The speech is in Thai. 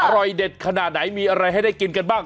อร่อยเด็ดขนาดไหนมีอะไรให้ได้กินกันบ้าง